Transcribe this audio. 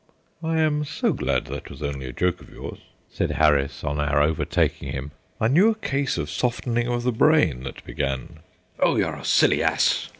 "I am so glad that was only a joke of yours," said Harris, on our overtaking him. "I knew a case of softening of the brain that began " "Oh, you're a silly ass!"